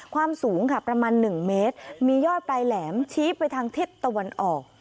ความสูงค่ะประมาณ๑เมตรมียอดปลายแหลมชี้ไปทางทิศตะวันออก